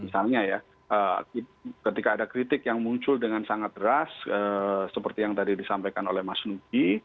misalnya ya ketika ada kritik yang muncul dengan sangat deras seperti yang tadi disampaikan oleh mas nugi